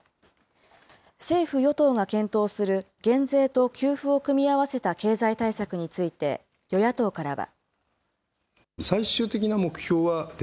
政府・与党が検討する減税と給付を組み合わせた経済対策について、与野党からは。